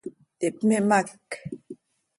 Ihpimhác.